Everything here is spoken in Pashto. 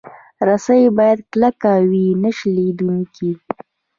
رسۍ باید کلکه وي، نه شلېدونکې.